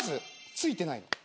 ついてないの。